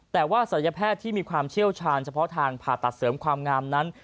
แต่ว่าศัลยแพทย์ที่มีความเชี่ยวชาญเฉพาะทางผ่าตัดเสริมความงามนั้น